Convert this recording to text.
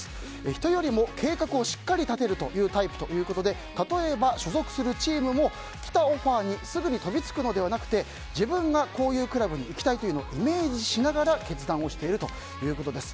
人よりも計画をしっかり立てるタイプということで例えば、所属するチームも来たオファーにすぐに飛びつくのではなくて自分がこういうクラブに行きたいとイメージしながら決断をしているということです。